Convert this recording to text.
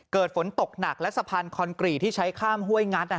เกิดฝนตกหนักและสะพานคอนกรีตที่ใช้ข้ามห้วยงัด